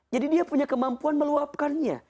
jadi dia punya kemampuan meluapkannya